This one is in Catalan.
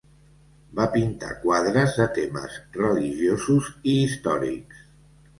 Va pintar quadres de temes religiosos i històrics.